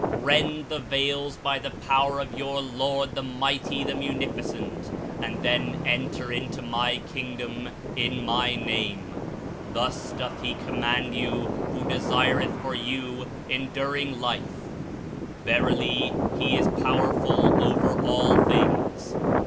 Rend the veils by the power of your Lord, the Mighty, the Munificent, and then enter into My Kingdom in My Name; thus doth He com mand you, who desireth for you enduring Life; verily, He Is powerful over all things.